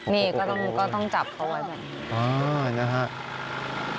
นี่ก็ต้องจับเขาไว้